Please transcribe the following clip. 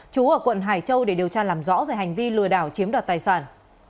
chú ở quận hải châu để điều tra làm rõ về hành vi lừa đảo chiếm đoạt tài sản